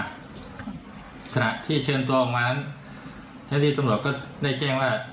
ขณะที่เชิญตัวออกมานั้นเจ้าที่ตำรวจก็ได้แจ้งว่า